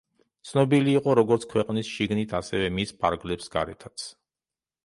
ცნობილი იყო, როგორც ქვეყნის შიგნით, ასევე მის ფარგლებს გარეთაც.